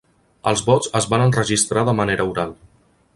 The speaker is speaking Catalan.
Els vots es van enregistrar de manera oral.